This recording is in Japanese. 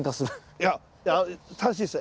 いや正しいですね。